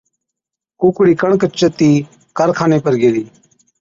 ڪُوڪڙِي ڪڻڪ چتِي ڪارخاني پر گيلِي